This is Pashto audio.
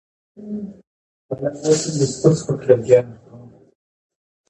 تعلیم یافته کسان په ټولنه کې د ډیر احترام وړ وي.